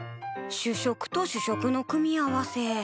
主食と主食の組み合わせ。